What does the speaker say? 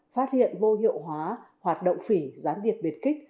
phát hiện vô hiệu hóa hoạt động phỉ gián điệp biệt kích